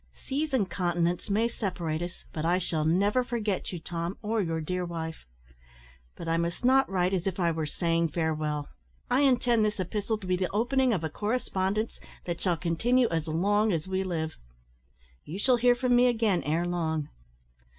Seas and continents may separate us, but I shall never forget you, Tom, or your dear wife. But I must not write as if I were saying farewell. I intend this epistle to be the opening of a correspondence that shall continue as long as we live. You shall hear from me again ere long.